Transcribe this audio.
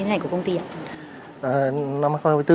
như thế này của công ty